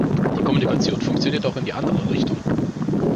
Die Kommunikation funktioniert auch in die andere Richtung.